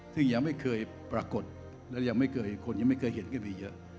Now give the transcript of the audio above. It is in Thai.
ซึ่งยังไม่เคยปรากฏและยังไม่เคยคนยังไม่เคยเห็นก็มีเยอะ